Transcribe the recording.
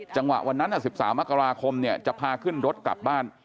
จังหวะวันนั้น๑๓มกราคมจะพาขึ้นรถกลับบ้าน